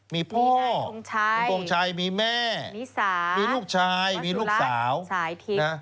มีพ่อคุณทงชัยมีแม่มีสามีมีลูกสาวสายทิ้งนะ